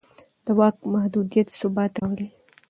د واک محدودیت ثبات راولي